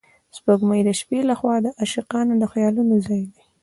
سپوږمۍ د شپې له خوا د عاشقانو د خیالونو ځای دی